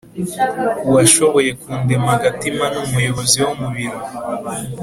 uwashoboye kundema agatima n'umuyobozi wo mu biro